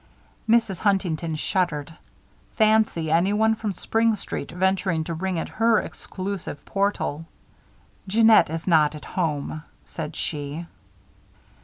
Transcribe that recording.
Mrs. Huntington shuddered. Fancy anyone from Spring Street venturing to ring at her exclusive portal! "Jeannette is not at home," said she.